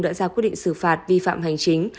đã ra quyết định xử phạt vi phạm hành chính